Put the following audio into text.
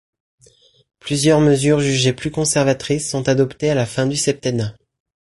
Plusieurs mesures jugées plus conservatrices sont adoptées à la fin du septennat.